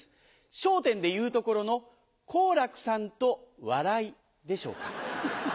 『笑点』でいうところの「好楽さん」と「笑い」でしょうか。